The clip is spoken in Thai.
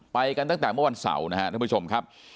ไปกันตั้งแต่เมื่อวันเสาร์นะครับท่านผู้ชมครับ